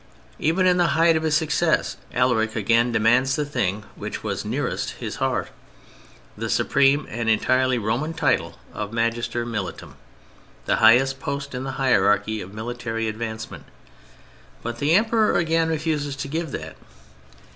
Even in the height of his success, Alaric again demands the thing which was nearest his heart, the supreme and entirely Roman title of Magister Militum, the highest post in the hierarchy of military advancement. But the Emperor again refuses to give that.